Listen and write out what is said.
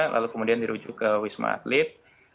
lalu kemudian dirujuk ke wisma atlet